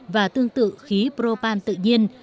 và tương tự khí propan tự nhiên